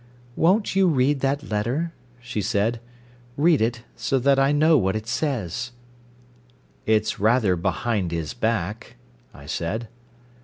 "Won't you read that letter?" she said. "Read it, so that I know what it says." "It's rather behind his back," I said.